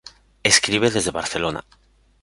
Escribe desde Barcelona.